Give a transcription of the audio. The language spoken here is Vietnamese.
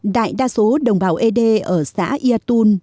đại đa số đồng bào ế đê ở xã yatun